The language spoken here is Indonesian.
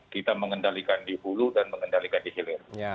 kita mengendalikan di hulu dan mengendalikan di hilir